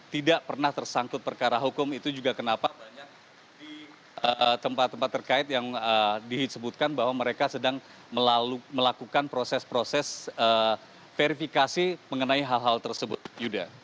tidak pernah tersangkut perkara hukum itu juga kenapa banyak di tempat tempat terkait yang disebutkan bahwa mereka sedang melakukan proses proses verifikasi mengenai hal hal tersebut yuda